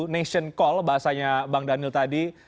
nation call bahasanya bang daniel tadi